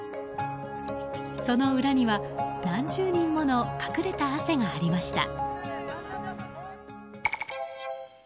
その裏には何十人もの隠れた汗がありました。